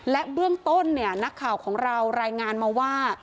และเบื้องต้นเนี่ยนักข่าวของเรารายงานมาว่า